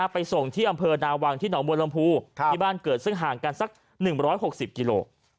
ไปส่งที่อำเภอนาวังที่หนองบัวลำพูที่บ้านเกิดซึ่งห่างกันสัก๑๖๐กิโล